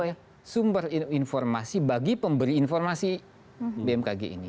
oleh sumber informasi bagi pemberi informasi bmkg ini